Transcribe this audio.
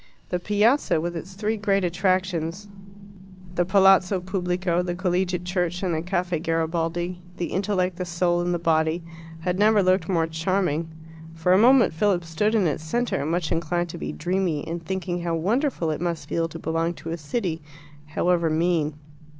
The Piazza, with its three great attractions the Palazzo Pubblico, the Collegiate Church, and the Caffe Garibaldi: the intellect, the soul, and the body had never looked more charming. For a moment Philip stood in its centre, much inclined to be dreamy, and thinking how wonderful it must feel to belong to a city, however mean.